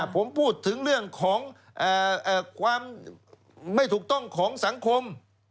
ผมพูดถึงเรื่องของความไม่ถูกต้องของสังคม